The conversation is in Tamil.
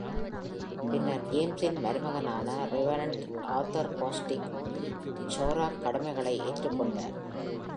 பின்னர் ஜேம்ஸின் மருமகனான ரெவரண்ட் ஆர்தர் கோஸ்டிக் ஷோராக் கடமைகளை ஏற்றுக்கொண்டார்.